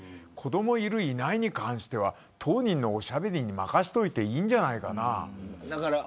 子どもいる、いないに関しては当人のおしゃべりに任せていいんじゃないかな。